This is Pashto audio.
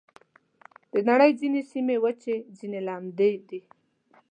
د نړۍ ځینې سیمې وچې، ځینې لمدې دي.